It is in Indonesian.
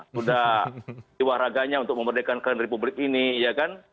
sudah jiwa raganya untuk memerdekankan republik ini ya kan